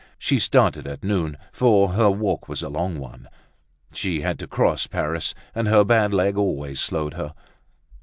She started at noon, for her walk was a long one. She had to cross Paris and her bad leg always slowed her.